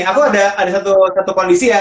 aku ada satu kondisi ya